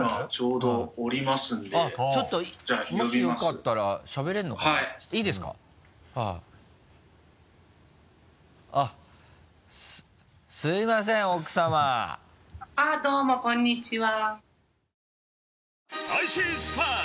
どうもこんにちは。